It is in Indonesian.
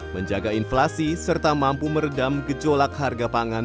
menjaga inflasi serta mampu meredam gejolak harga pangan